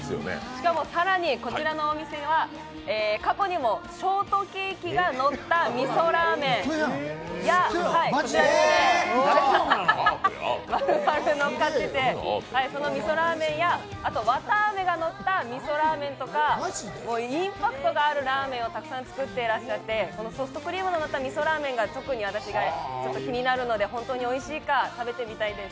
しかも、更にこちらのお店は過去にもショートケーキがのった味噌ラーメンや綿あめがのった味噌ラーメンとかインパクトがあるラーメンをたくさん作っていらっしゃってソフトクリームの乗った味噌ラーメンが特に私が気になるので、本当においしいか食べてみたいんです。